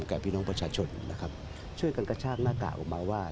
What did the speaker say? กับพี่น้องประชาชนนะครับช่วยกันกระชากหน้ากากออกมาว่า